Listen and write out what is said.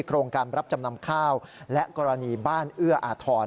โครงการรับจำนำข้าวและกรณีบ้านเอื้ออาทร